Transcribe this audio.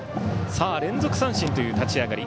さあ、連続三振という立ち上がり。